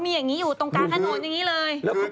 มีอย่างนี้อยู่ตรงกลางถนนอย่างนี้เลย